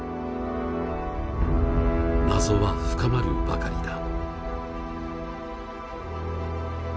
謎は深まるばかりだ。